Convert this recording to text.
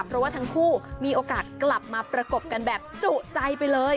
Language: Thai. เพราะว่าทั้งคู่มีโอกาสกลับมาประกบกันแบบจุใจไปเลย